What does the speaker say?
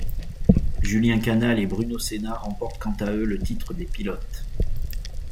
Julien Canal et Bruno Senna remportent quant à eux le titre des pilotes.